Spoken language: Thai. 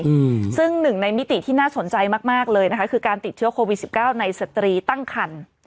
อืมซึ่งหนึ่งในมิติที่น่าสนใจมากมากเลยนะคะคือการติดเชื้อโควิดสิบเก้าในสตรีตั้งคัน